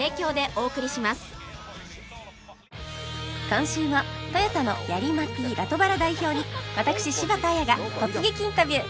今週もトヨタのヤリ−マティ・ラトバラ代表に私柴田阿弥が突撃インタビュー！